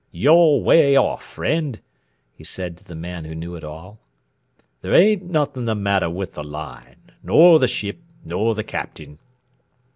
"You're way off, friend," he said to the Man Who Knew It All. "There ain't nothin' the matter with the Line, nor the ship, nor the Captain.